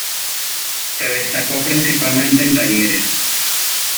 Se destacó principalmente en Talleres.